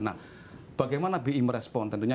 nah bagaimana birip respon tentunya